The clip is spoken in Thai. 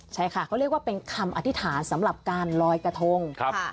ใช่ค่ะเขาเรียกว่าเป็นคำอธิษฐานสำหรับการลอยกระทง